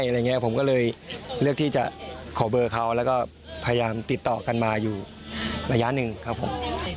อะไรอย่างนี้ผมก็เลยเลือกที่จะขอเบอร์เขาแล้วก็พยายามติดต่อกันมาอยู่ระยะหนึ่งครับผม